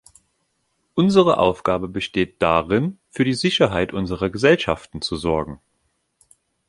Unsere Aufgabe besteht darin, für die Sicherheit unserer Gesellschaften zu sorgen.